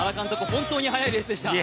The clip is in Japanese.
本当に速いレースでした。